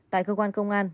tại cơ quan công an